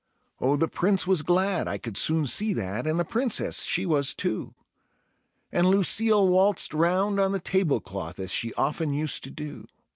Oh, the Prince was glad, I could soon see that, and the Princess she was too; And Lucille waltzed round on the tablecloth as she often used to do.